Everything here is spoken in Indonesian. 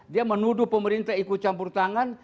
dia menuduh pemerintah ikut campur tangan